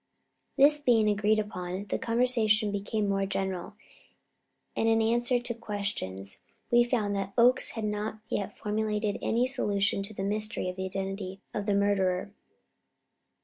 This being agreed upon, the conversation became more general, and in answer to questions we found that Oakes had not as yet formulated any solution to the mystery of the identity of the murderer.